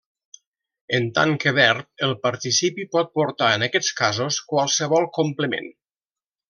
En tant que verb, el participi pot portar en aquests casos qualsevol complement.